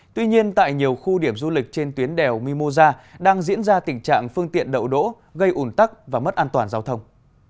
tuy nhiên tại nhiều khu điểm du lịch trên tuyến đèo mimosa đang diễn ra tình trạng phương tiện đậu đỗ gây ủn tắc và mất an toàn giao thông